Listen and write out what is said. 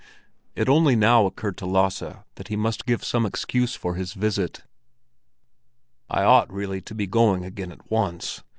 It only now occurred to Lasse that he must give some excuse for his visit. "I ought really to be going again at once.